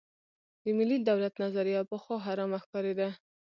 د ملي دولت نظریه پخوا حرامه ښکارېده.